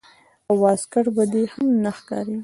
او واسکټ به دې هم نه ښکارېږي.